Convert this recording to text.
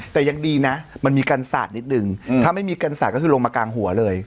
แต่ยังดีนะมันมีกันสาดนิดนึงถ้าไม่มีกันสาดก็คือลงมากลางหัวเลย